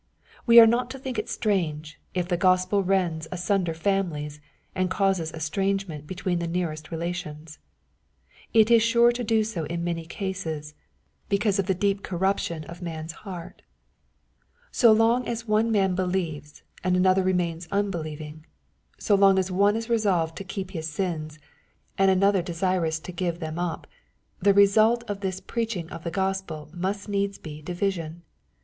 We are not to think it strange, if the Gospelrends asunder families, and causes estrange ment between the nearest relations. It is sure to do so in many cases, because of the deep corruption of man'fl 106 SZPOSITOBT THOUGHTS. heart. So long as one man believes^ and another remains unbelieving — so long as one is resolved to keep his sins, and another desirous to give them up, the result of the preaching of the Gospel must needs be division.